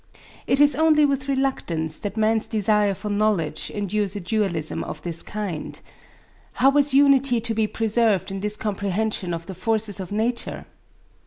It is only with reluctance that man's desire for knowledge endures a dualism of this kind. How was unity to be preserved in his comprehension of the forces of nature?